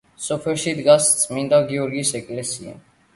სოფელში დგას წმინდა გიორგის ეკლესია.